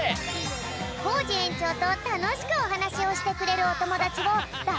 コージえんちょうとたのしくおはなしをしてくれるおともだちをだ